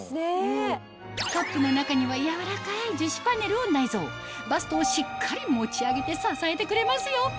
カップの中には柔らかい樹脂パネルを内蔵バストをしっかり持ち上げて支えてくれますよ